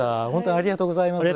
ありがとうございます。